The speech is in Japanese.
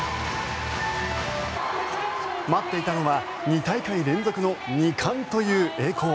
待っていたのは２大会連続の２冠という栄光。